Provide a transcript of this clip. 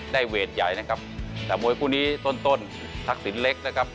ได้เวทย์ใหญ่นะครับแต่มวยคู่นี้ต้นทักศิลป์เล็กนะครับ